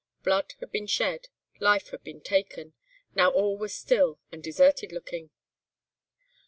Blood had been shed; life had been taken; now all was still and deserted looking.